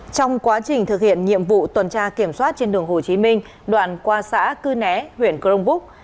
trong quá trình thực hiện nhiệm vụ tuần tra kiểm soát trên đường hồ chí minh đoạn qua xã cư né huyện crong búc